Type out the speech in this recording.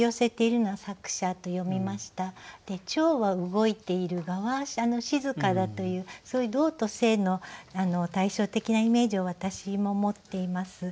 ちょうは動いている蛾は静かだというそういう「動」と「静」の対照的なイメージを私も持っています。